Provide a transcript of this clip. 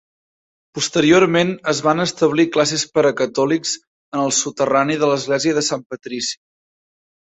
Posteriorment es van establir classes per a catòlics en el soterrani de l'Església de Sant Patrici.